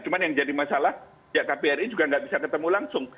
cuma yang jadi masalah ya kbri juga nggak bisa ketemu langsung